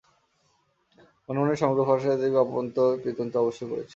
মনে মনে সমগ্র ফরাসী জাতির বাপন্ত-পিতন্ত অবশ্যই করেছিল।